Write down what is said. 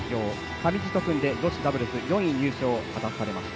上地と組んで女子ダブルス４位入賞を果たされました。